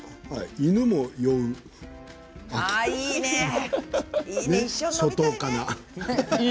犬も酔う初冬かな。